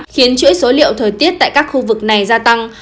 khiến chuỗi số liệu thời tiết tại các khu vực này gia tăng